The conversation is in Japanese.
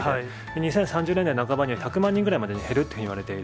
２０３０年代半ばには１００万人ぐらいにまで減るっていわれている。